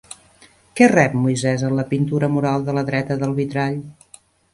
Què rep Moisès en la pintura mural de la dreta del vitrall?